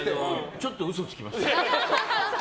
ちょっと嘘つきました。